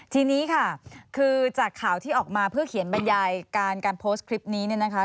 ทีนี้ค่ะคือจากข่าวที่ออกมาเพื่อเขียนบรรยายการโพสต์คลิปนี้เนี่ยนะคะ